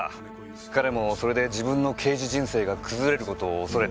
彼もそれで自分の刑事人生が崩れる事を恐れた。